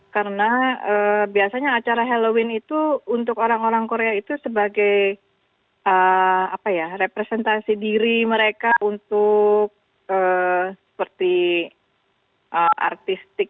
karena biasanya acara halloween itu untuk orang orang korea itu sebagai representasi diri mereka untuk seperti artistik